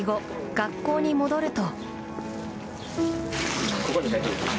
学校に戻ると。